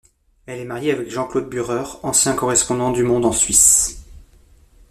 Elle est mariée avec Jean-Claude Buhrer, ancien correspondant du Monde en Suisse.